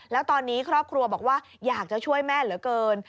แล้วตอนนี้ครอบครัวบอกว่าอยากจะช่วยแม่เหลือเกิน